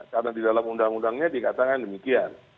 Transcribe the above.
karena di dalam undang undangnya dikatakan demikian